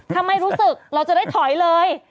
ถ้าไม่รู้สึกเราจะได้ถอยเลย